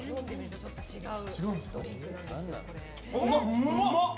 うまっ！